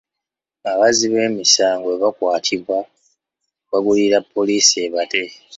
Abazzi b'emisango bwe bakwatibwa, bagulirira poliise ebate.